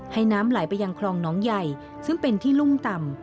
น้ำไหลไปยังคลองน้องใหญ่ซึ่งเป็นที่รุ่มต่ำ